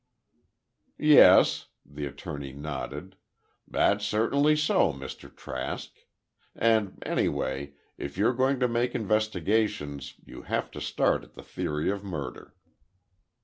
"Yes," the attorney nodded. "That's certainly so, Mr. Trask. And, anyway, if you're going to make investigations, you have to start on the theory of murder."